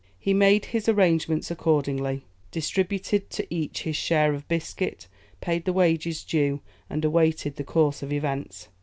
He made his arrangements accordingly, distributed to each his share of biscuit, paid the wages due, and awaited the course of events.